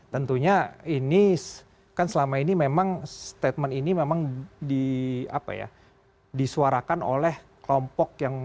tentunya ini kan selama ini memang statement ini memang disuarakan oleh kelompok yang